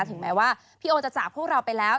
ถึงแม้ว่าพี่โอจะจากพวกเราไปแล้ว